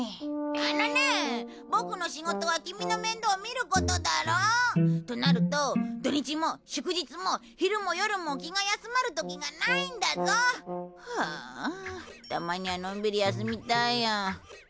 あのねボクの仕事はキミの面倒をみることだろう？となると土日も祝日も昼も夜も気が休まる時がないんだぞ。はあたまにはのんびり休みたいよ。